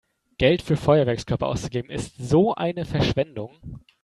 Geld für Feuerwerkskörper auszugeben ist so eine Verschwendung!